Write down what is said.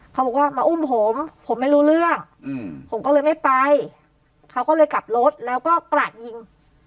เขาก็เลยกลับรถแล้วก็กราดยิง